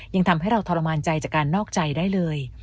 ยังทำให้เราทรมานใจจากการนอกใจได้เลย